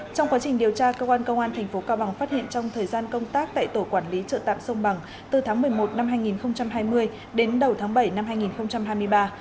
trong quá trình điều tra cơ quan công an tp cao bằng phát hiện trong thời gian công tác tại tổ quản lý chợ tạm sông bằng từ tháng một mươi một năm hai nghìn hai mươi đến đầu tháng bảy năm hai nghìn hai mươi ba